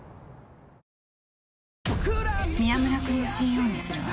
宮村君をＣＥＯにするわ。